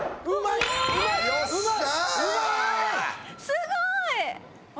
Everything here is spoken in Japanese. すごい！